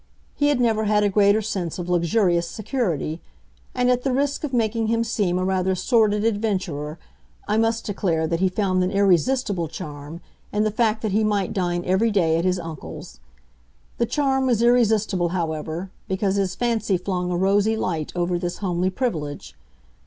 He had never had a greater sense of luxurious security; and at the risk of making him seem a rather sordid adventurer I must declare that he found an irresistible charm in the fact that he might dine every day at his uncle's. The charm was irresistible, however, because his fancy flung a rosy light over this homely privilege.